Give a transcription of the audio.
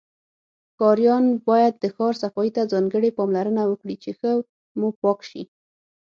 ښاریان باید د شار صفایی ته ځانګړی پاملرنه وکړی چی ښه موپاک شی